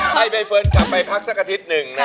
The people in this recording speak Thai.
ให้ใบเฟิร์นกลับไปพักสักอาทิตย์หนึ่งนะ